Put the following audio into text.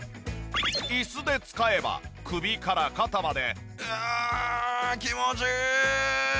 椅子で使えば首から肩までうん気持ちいい！